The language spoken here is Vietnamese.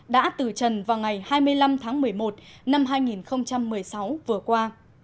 đã từ trần vào ngày hai mươi năm tháng một mươi một năm hai nghìn một mươi sáu vừa qua